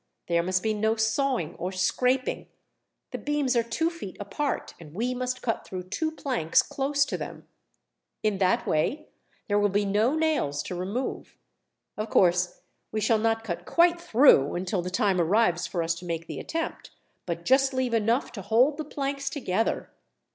There must be no sawing or scraping. The beams are two feet apart, and we must cut through two planks close to them. In that way there will be no nails to remove. Of course, we shall not cut quite through until the time arrives for us to make the attempt, but just leave enough to hold the planks together.